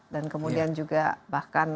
dan kemudian juga bahkan